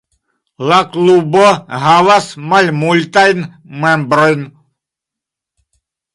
La klubo havas malmultajn membrojn.